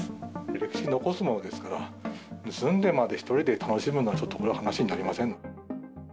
歴史に残すものですから、盗んでまで１人で楽しむのは、ちょっとこれは話になりません。